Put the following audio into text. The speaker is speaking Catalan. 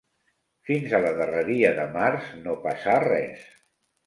Fins a la darreria de març, no passà res